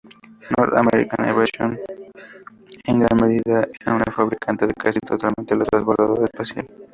North American Aviation, en gran medida un fabricante de casi totalmente el transbordador espacial.